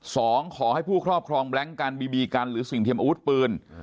ขอให้ผู้ครอบครองแบล็งกันบีบีกันหรือสิ่งเทียมอาวุธปืน